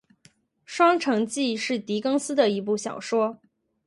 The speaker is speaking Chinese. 《双城记》是狄更斯的一部小说。